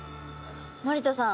森田さん